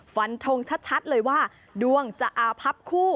ฟันทงชัดเลยว่าดวงจะอาพับคู่